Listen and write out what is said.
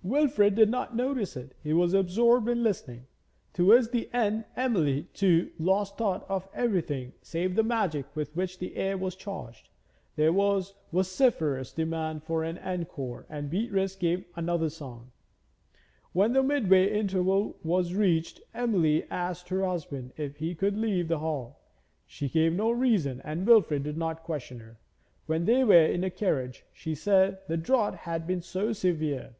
Wilfrid did not notice it, he was absorbed in listening. Towards the end Emily, too, lost thought of everything save the magic with which the air was charged. There was vociferous demand for an encore and Beatrice gave another song. When the mid way interval was reached Emily asked her husband if he would leave the hall. She gave no reason and Wilfrid did not question her. When they were in the carriage she said the draught had been too severe.